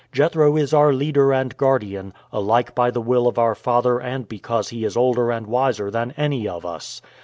Jethro is our leader and guardian, alike by the will of our father and because he is older and wiser than any of us.